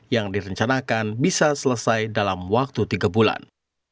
yang direncanakan bisa selesai dalam waktu tiga bulan